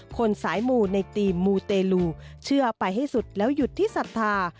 คนสายหมู่ในทีมมูเตลูเชื่อไปให้สุดแล้วหยุดที่ศรัทธา